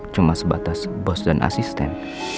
cuma sebatas bos dan asisten